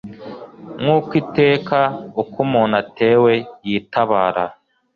Nk'uko iteka uko umuntu atewe yitabara